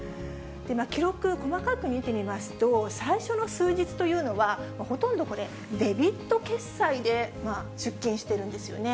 記録、細かく見てみますと、最初の数日というのは、ほとんどデビット決済で出金しているんですよね。